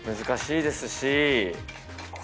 難しいですし。